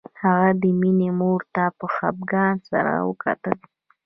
هغه د مينې مور ته په خپګان سره وکتل